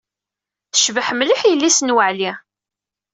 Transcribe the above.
Tecbeḥ mliḥ yelli-s n Waɛli